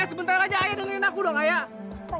ayah sebentar aja ayah dengerin aku dong ayah